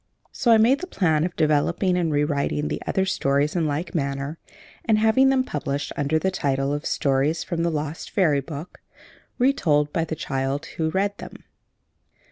So I made the plan of developing and re writing the other stories in like manner, and having them published under the title of 'Stories from the Lost Fairy Book, Re told by the Child Who Read Them.'"